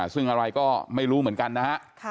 ซึ่งอะไรก็ไม่รู้เหมือนกันนะฮะ